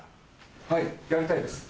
はいやりたいです。